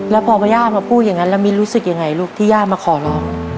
แล้วพอพระย่ามาพูดอย่างนั้นแล้วมิ้นรู้สึกยังไงลูกที่ย่ามาขอร้อง